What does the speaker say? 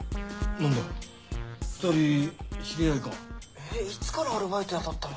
えいつからアルバイト雇ったの？